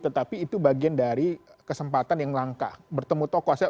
tetapi itu bagian dari kesempatan yang langka bertemu tokoh